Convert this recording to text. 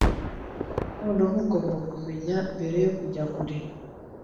Noneho ugomba kumenya mbere yo kujya kure